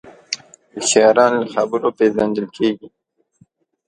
هوښیاران له خبرو پېژندل کېږي